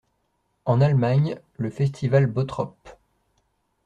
En Allemagne, le festival Bottrop.